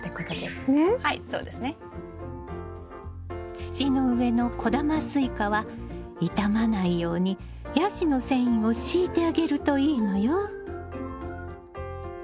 土の上の小玉スイカは傷まないようにヤシの繊維を敷いてあげるといいのよ。